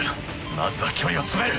まずは距離を詰める。